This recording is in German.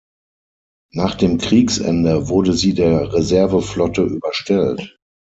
Nach dem Kriegsende wurde sie der Reserveflotte überstellt.